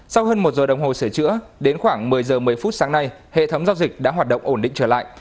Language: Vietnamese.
sau hơn một giờ đồng hồ sửa chữa đến khoảng một mươi giờ một mươi phút sáng nay hệ thống giao dịch đã hoạt động ổn định trở lại